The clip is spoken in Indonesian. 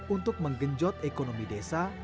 untuk menggenjot ekonomi desa